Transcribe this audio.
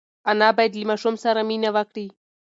انا باید له ماشوم سره مینه وکړي.